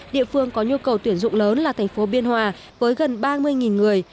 địa phương có nhu cầu tuyển dụng lớn là tp biên hòa với gần ba mươi người